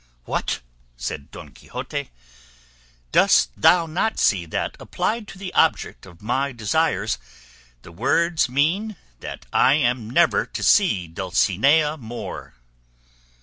"What!" said Don Quixote, "dost thou not see that, applied to the object of my desires, the words mean that I am never to see Dulcinea more?"